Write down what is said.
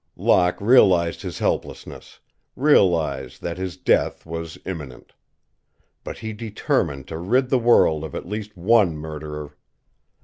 Locke realized his helplessness, realized that his death was imminent. But he determined to rid the world of at least one murderer.